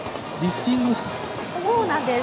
そうなんです。